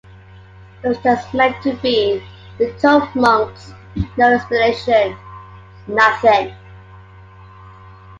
It was just meant to be 'The Tuff Monks', no explanation, nothing.